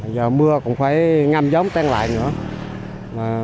giờ mưa cũng phải ngâm giống tăng lại nữa